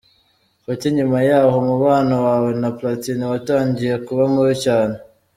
Kuki nyuma y’aho umubano wawe na Platini watangiye kuba mubi cyane?.